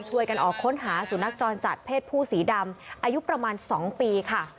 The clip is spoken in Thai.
ช่วยกันออกค้นหาสุนัขจรจัดเพศผู้สีดำอายุประมาณ๒ปีค่ะ